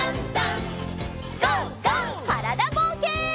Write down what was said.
からだぼうけん。